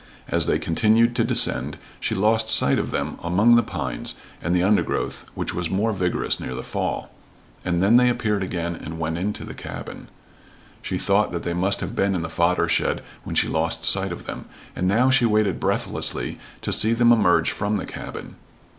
As they continued to descend she lost sight of them among the pines and the undergrowth which was more vigorous near the fall, and then they appeared again and went into the cabin. She thought they must have been in the fodder shed when she lost sight of them, and now she waited breathlessly to see them emerge from the cabin.